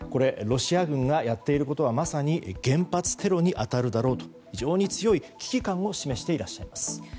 ロシア軍がやっていることはまさに原発テロに当たるだろうと非常に強い危機感を示していらっしゃいます。